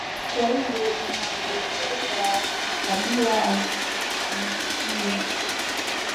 Kwa hiyo unapotaja vikabila vya Wakurya